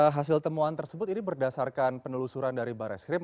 hasil temuan tersebut ini berdasarkan penelusuran dari barreskrim